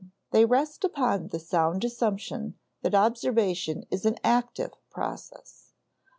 They rest upon the sound assumption that observation is an active process.